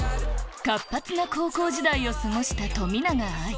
活発な高校時代を過ごした冨永愛